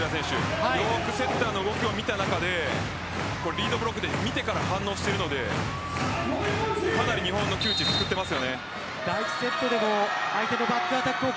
よくセッターの動きを見た中でリードブロックで見てから反応していますのでかなり日本の窮地を救っています。